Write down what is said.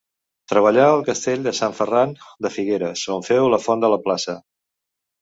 Treballà al Castell de Sant Ferran de Figueres, on féu la font de la plaça.